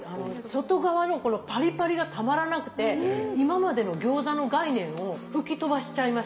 外側のこのパリパリがたまらなくて今までの餃子の概念を吹き飛ばしちゃいました。